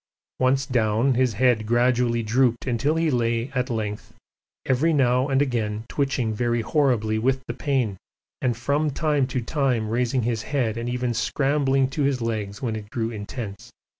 Once down, his head gradually drooped until he lay at length, every now and again twitching very horribly with the pain and from time to time raising his head and even scrambling to his legs when it grew intense.